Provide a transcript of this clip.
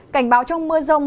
cảnh báo trong mưa rông